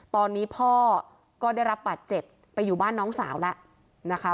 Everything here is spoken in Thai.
ตอนนี้พ่อก็ได้รับบาดเจ็บไปอยู่บ้านน้องสาวแล้วนะคะ